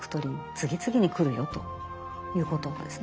次々に来るよということですね。